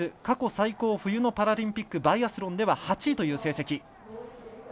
過去最高、冬のパラリンピックバイアスロンでは８位という成績。